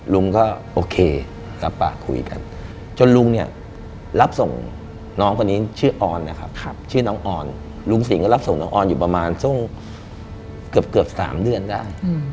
ลุงก็โอเครับปากคุยกันจนลุงเนี่ยรับส่งน้องคนนี้ชื่อออนนะครับชื่อน้องออนลุงสิงห์ก็รับส่งน้องออนอยู่ประมาณสักเกือบ๓เดือนได้